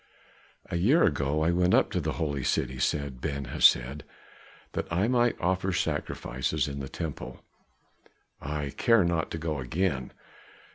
"A year ago I went up to the Holy City," said Ben Hesed, "that I might offer sacrifices in the temple. I care not to go again.